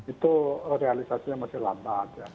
itu realisasinya masih lambat